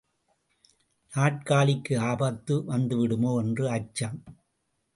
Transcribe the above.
நாற்காலிக்கு ஆபத்து வந்துவிடுமோ என்ற அச்சம்!